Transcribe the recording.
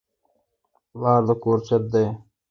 پلار د کور چت دی